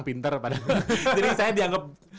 pinter pada waktu itu jadi saya dianggap